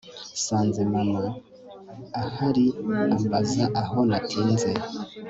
nsanze mama ahariambaza aho natinze